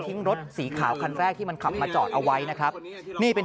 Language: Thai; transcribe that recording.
รถสีขาวคันแรกที่มันขับมาจอดเอาไว้นะครับนี่เป็น